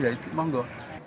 ya itu monggo